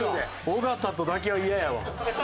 尾形とだけは嫌やわ。